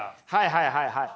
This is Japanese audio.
はいはいはい。